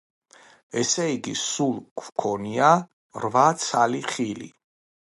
ესე იგი, სულ გვქონია რვა ცალი ხილი.